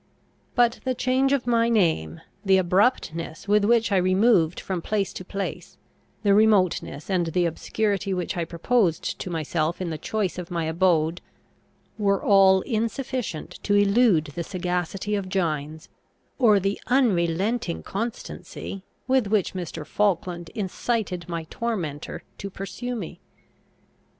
But the change of my name, the abruptness with which I removed from place to place, the remoteness and the obscurity which I proposed to myself in the choice of my abode, were all insufficient to elude the sagacity of Gines, or the unrelenting constancy with which Mr. Falkland incited my tormentor to pursue me.